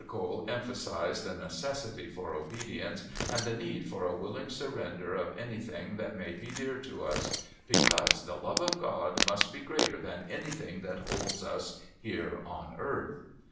Cole emphasised the necessity for obedience, the need for a willing surrender of anything that may be dear to us, "because the love of God must be greater than anything that holds us here on earth."